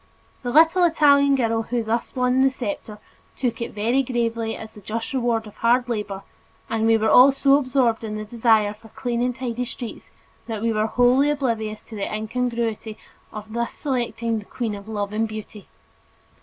The little Italian girl who thus won the scepter took it very gravely as the just reward of hard labor, and we were all so absorbed in the desire for clean and tidy streets that we were wholly oblivious to the incongruity of thus selecting "the queen of love and beauty."